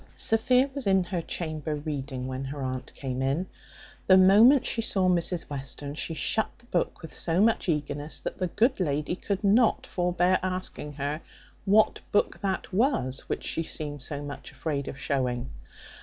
Sophia was in her chamber, reading, when her aunt came in. The moment she saw Mrs Western, she shut the book with so much eagerness, that the good lady could not forbear asking her, What book that was which she seemed so much afraid of showing?